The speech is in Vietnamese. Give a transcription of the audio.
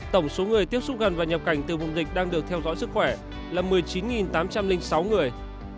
tổng số người tiếp xúc gần và nhập cảnh từ vùng dịch đang được theo dõi sức khỏe là một mươi chín tám trăm linh sáu người